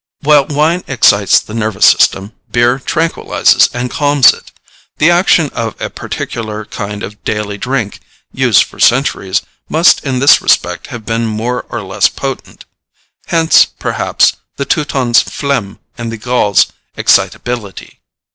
While wine excites the nervous system, beer tranquillizes and calms it. The action of a particular kind of daily drink, used for centuries, must in this respect have been more or less potent. Hence, perhaps, the Teuton's phlegm and the Gaul's excitability.